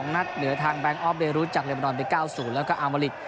นัดเหลือทางแบงคออฟเบรุจากเรมดอนไป๙๐แล้วก็อามาริก